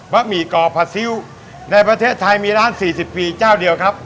หมี่ก่อผัดซิ้วในประเทศไทยมีร้าน๔๐ปีเจ้าเดียวครับ